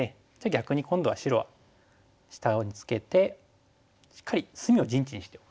逆に今度は白は下にツケてしっかり隅を陣地にしておく。